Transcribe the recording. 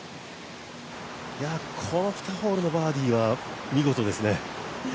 この２ホールのバーディーは見事ですね。